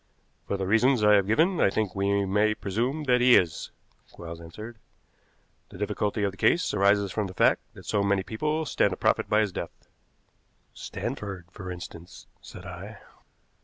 "For the reasons I have given I think we may presume that he is," Quarles answered. "The difficulty of the case arises from the fact that so many people stand to profit by his death." "Stanford, for instance," said I.